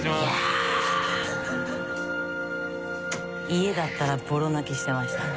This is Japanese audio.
家だったらボロ泣きしてました。